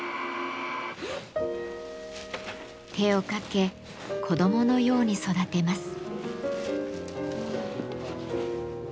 手をかけ子どものように育てます。